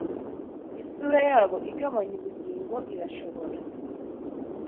Isura yabo igabanya ubugingo irashobora